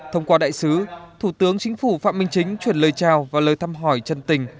thông qua đại sứ thủ tướng chính phủ phạm minh chính chuyển lời trao và lời thăm hỏi chân tình